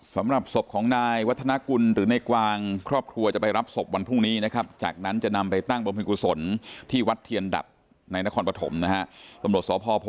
สำหรับศพของนายวัฒนากุลหรือเนกวางครอบครัวจะไปรับศพวันพรุ่งนี้นะครับ